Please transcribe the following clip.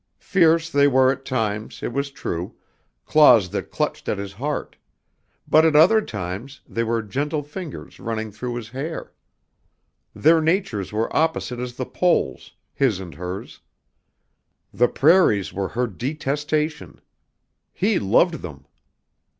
Fierce they were at times, it was true, claws that clutched at his heart; but at other times they were gentle fingers running through his hair. Their natures were opposite as the poles, his and hers. The prairies were her detestation. He loved them.